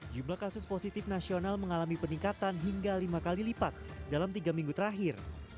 jumlah kasus positif nasional mengalami peningkatan hingga lima kali lipat dalam tiga minggu terakhir